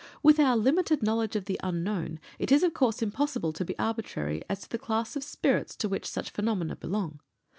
With our limited knowledge of the Unknown it is, of course, impossible to be arbitrary as to the class of spirits to which such phenomena belong.